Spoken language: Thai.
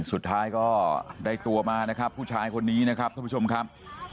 สุดท้ายก็ได้ตัวมานะครับผู้ชายคนนี้นะครับท่านผู้ชมครับ